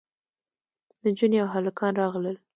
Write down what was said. نجونې او هلکان راغلل.